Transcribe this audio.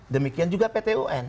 demikian juga pt un